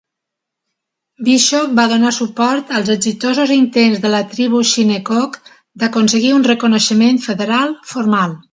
Bishop va donar suport als exitosos intents de la tribu shinnecock d'aconseguir un reconeixement federal formal.